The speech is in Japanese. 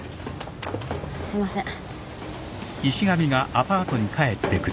すいません